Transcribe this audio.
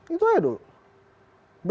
itu aja dulu